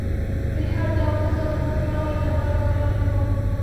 د هر ډول ظلم ختمولو لپاره راغلی و